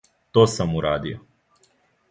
То сам урадио.